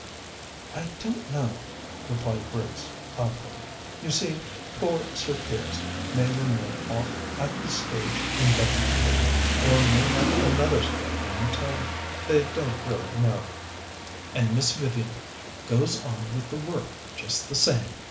"I don't know," replied Grace thoughtfully. "You see, poor Sir Piers may remain at this stage indefinitely, or may have another stroke any time. They don't really know...." "And Miss Vivian goes on with the work just the same!"